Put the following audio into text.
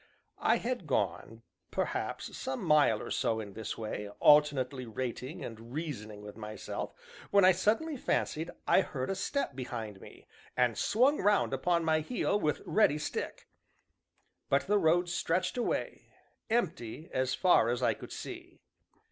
I had gone, perhaps, some mile or so in this way, alternately rating and reasoning with myself, when I suddenly fancied I heard a step behind me, and swung round upon my heel, with ready stick; but the road stretched away empty as far as I could see.